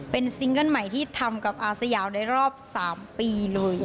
เป็นซิงเกิ้ลใหม่ที่ทำกับอาสยามในรอบ๓ปีเลย